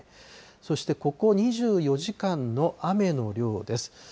そしてここ２４時間の雨の量です。